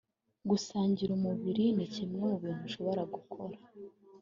Gusangira umubiri ni kimwe mu bintu ushobora gukora